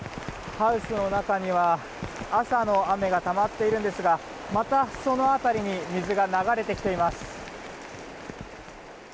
ハウスの中には朝の雨がたまっているんですがまたその辺りに水が流れてきています。